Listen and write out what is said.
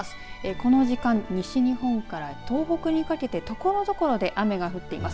この時間西日本から東北にかけてところどころで雨が降っています。